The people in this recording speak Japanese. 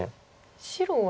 白は。